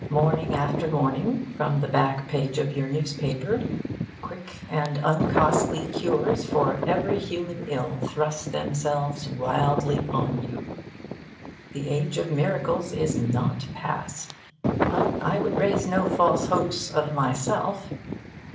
Morning after morning, from the back page of your newspaper, quick and uncostly cures for every human ill thrust themselves wildly on you. The age of miracles is not past. But I would raise no false hopes of myself.